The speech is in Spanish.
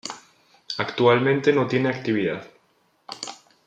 Actualmente no tiene actividad.